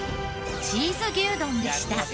チーズ牛丼でした。